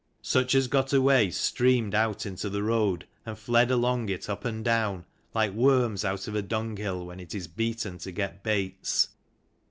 Such as got away, streamed out into the road, and fled along it up and down, like worms out of a dunghill when it is beaten to get baits.